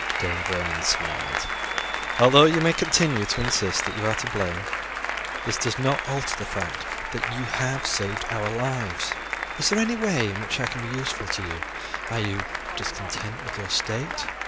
Dame Vernon smiled. "Although you may continue to insist that you are to blame, this does not alter the fact that you have saved our lives. Is there any way in which I can be useful to you? Are you discontent with your state?